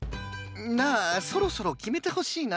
なあそろそろ決めてほしいな。